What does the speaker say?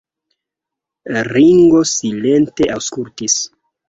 Ringo silente aŭskultis.